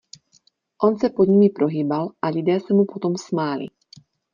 On se pod nimi prohýbal, a lidé se mu potom smáli.